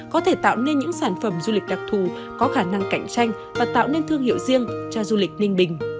có thể tạo nên những sản phẩm du lịch đặc thù có khả năng cạnh tranh và tạo nên thương hiệu riêng cho du lịch ninh bình